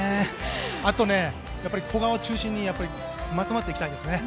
あと、古賀を中心にまとまっていきたいですね。